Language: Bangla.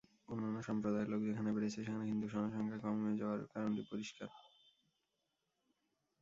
অন্যান্য সম্প্রদায়ের লোক যেখানে বেড়েছে, সেখানে হিন্দু জনসংখ্যা কমে যাওয়ার কারণটি পরিষ্কার।